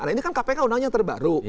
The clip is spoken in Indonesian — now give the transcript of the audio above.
nah ini kan kpk undangnya yang terbaru